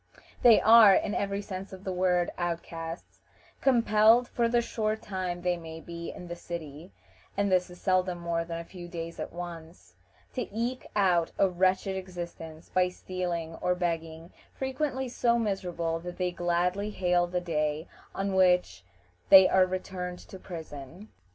They are, in every sense of the word, outcasts; compelled, for the short time they may be in the city and this is seldom more than a few days at once to eke out a wretched existence by stealing or begging; frequently so miserable that they gladly hail the day on which they are returned to prison.